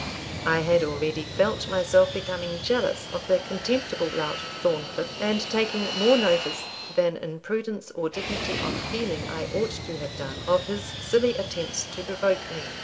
I had already felt myself becoming jealous of the contemptible lout Thorncliff, and taking more notice, than in prudence or dignity of feeling I ought to have done, of his silly attempts to provoke me.